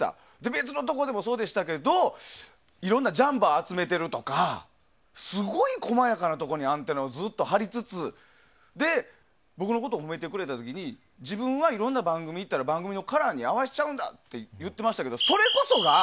別のところでもそうでしたけどいろんなジャンパー集めてるとかすごい細やかなところにアンテナを張りつつ僕のことを褒めてくれた時に自分はいろんな番組に行ったら番組のカラーに合わせちゃうんだと言ってましたけどそれこそが。